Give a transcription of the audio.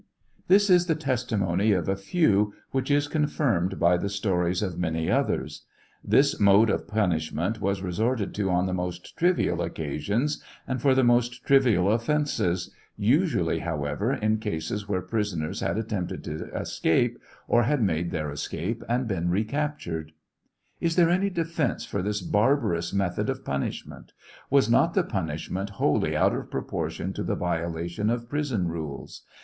This is the testimony of a few, which is confirmed by the stones of many others. This mode of punishment was resorted to on the most trivial occasions, and for the most trivial offences, usually, however, in cases where prisoners had attempted to escape, or had made their escape and been recaptured. la there any defence for this barbarous method of punishment ? Was not the punishment wholly out of proportion to the violation of prison rules